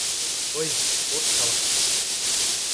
ওই, ওঠ শালা।